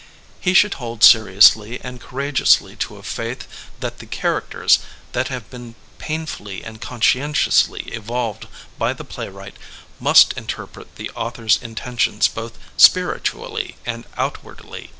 He should hold seriously and courageously to a faith that the char acters that have been painfully and conscientiously evolved by the playwright, must interpret the au thor's intentions both spiritually and outwardly.